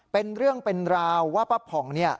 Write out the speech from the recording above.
เป็นเรื่องเป็นราวว่าป้าผ่องเนี่ย